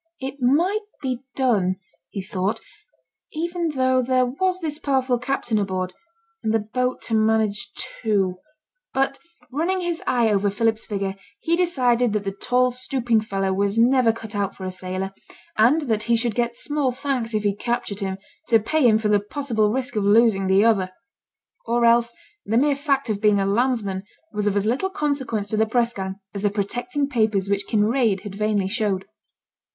It might be done, he thought, even though there was this powerful captive aboard, and the boat to manage too; but, running his eye over Philip's figure, he decided that the tall stooping fellow was never cut out for a sailor, and that he should get small thanks if he captured him, to pay him for the possible risk of losing the other. Or else the mere fact of being a landsman was of as little consequence to the press gang, as the protecting papers which Kinraid had vainly showed.